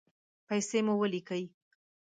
پیسې مو ولیکئ